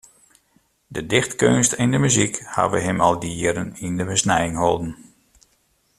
De dichtkeunst en de muzyk hawwe him al dy jierren yn de besnijing holden.